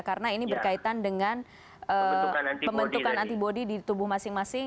karena ini berkaitan dengan pembentukan antibody di tubuh masing masing